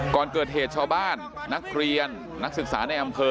ก่อนเกิดเหตุชาวบ้านนักเรียนนักศึกษาในอำเภอ